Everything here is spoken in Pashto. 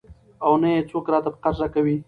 او نه يې څوک راته په قرض راکوي.